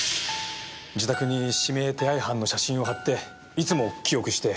自宅に指名手配犯の写真をはっていつも記憶して。